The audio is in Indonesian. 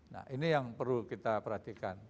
nah ini yang perlu kita perhatikan